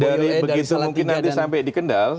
dari begitu mungkin nanti sampai di kendal